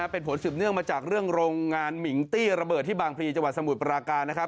เป็นผลสืบเนื่องมาจากเรื่องโรงงานมิงตี้ระเบิดที่บางพลีจังหวัดสมุทรปราการ